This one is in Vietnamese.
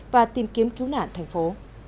và tìm kiếm cứu nạn thành phố